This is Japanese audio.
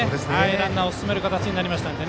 ランナーを進める形になりました。